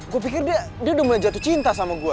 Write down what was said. gue pikir dia udah mulai jatuh cinta sama gue